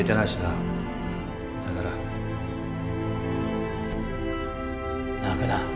だから泣くな。